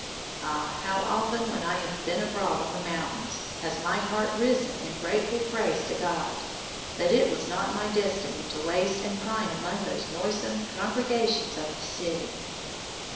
Ah! how often, when I have been abroad on the mountains, has my heart risen in grateful praise to God that it was not my destiny to waste and pine among those noisome congregations of the city.'"